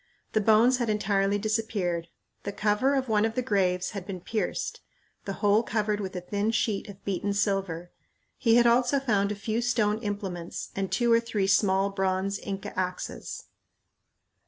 The bones had entirely disappeared. The cover of one of the graves had been pierced; the hole covered with a thin sheet of beaten silver. He had also found a few stone implements and two or three small bronze Inca axes.